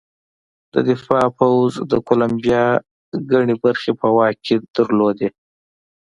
د دفاع پوځ د کولمبیا ګڼې برخې په واک کې لرلې.